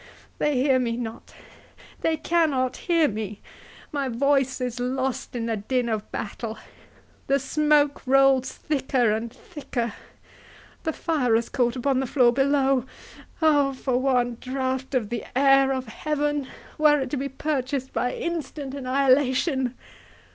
—They hear me not—they cannot hear me—my voice is lost in the din of battle.—The smoke rolls thicker and thicker—the fire has caught upon the floor below—O, for one drought of the air of heaven, were it to be purchased by instant annihilation!"